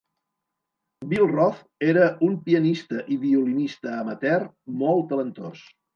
Billroth era un pianista i violinista amateur molt talentós.